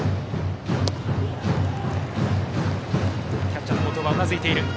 キャッチャーの後藤はうなずいている。